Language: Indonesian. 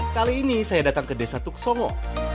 kali ini saya datang ke desa tuk songo